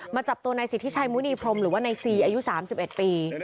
มาจับตัวในสิทธิชายมุณีพรมหรือว่าในซีอายุ๓๑ปี